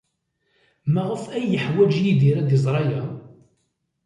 Maɣef ay yeḥwaj Yidir ad iẓer aya?